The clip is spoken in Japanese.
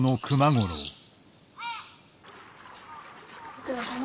ご苦労さま。